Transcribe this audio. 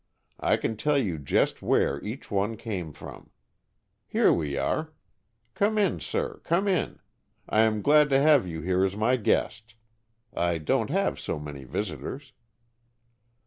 I can tell you just where each one came from. Here we are. Come in, sir, come in. I am glad to have you here as my guest. I don't have so many visitors."